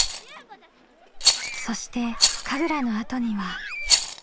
そして神楽のあとには。